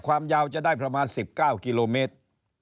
ความยาวจะได้ประมาณ๑๙กิโลเมตร